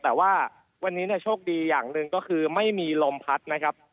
แต่ว่าวันนี้โชคดีอย่างหนึ่งก็คือไม่มีลมพัดนะครับ